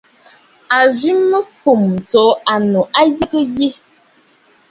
A zwì fûm tso annù a yəgə yi.